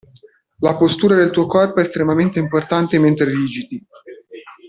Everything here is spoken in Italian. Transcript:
La postura del tuo corpo è estremamente importante mentre digiti.